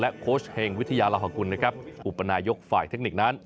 และโคชเฮงวิทยาลักษณ์หากุลอุปนายกฝ่ายเทคนิคนั้น